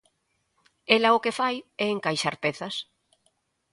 Ela o que fai é encaixar pezas.